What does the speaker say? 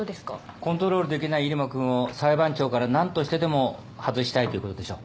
コントロールできない入間君を裁判長から何としてでも外したいということでしょう。